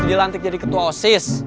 jadi lantik jadi ketua osis